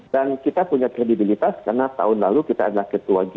dan kita punya kredibilitas karena tahun lalu kita adalah ketua g dua puluh